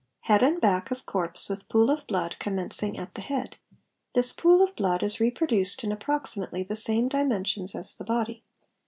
Head and back of corpse with pool of blood commencing at the head. This pool of blood is reproduced in approximately the same dimen sions as the body.